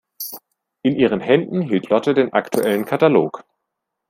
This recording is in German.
In ihren Händen hielt Lotte den aktuellen Katalog.